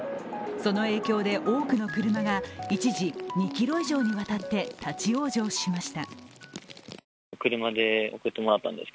その影響で多くの車が一時２ｋｍ以上にわたって立往生しました。